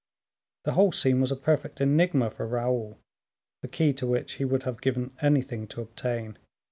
The whole scene was a perfect enigma for Raoul, the key to which he would have given anything to obtain.